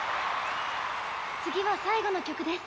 次は最後の曲です。